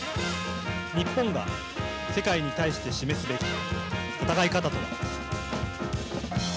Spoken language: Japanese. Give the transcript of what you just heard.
日本は世界に対して示すべき戦い方とは。